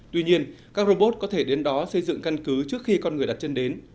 tuy nhiên các robot có thể đến đó xây dựng căn cứ trước khi con người đặt chân đến